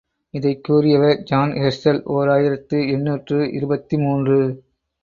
இதைக் கூறியவர் John Herschel, ஓர் ஆயிரத்து எண்ணூற்று இருபத்து மூன்று.